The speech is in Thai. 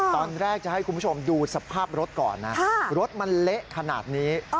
ตอนแรกจะให้คุณผู้ชมดูสภาพรถก่อนนะรถมันเละขนาดนี้